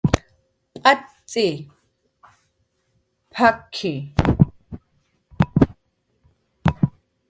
"P'acx""i, p'aki"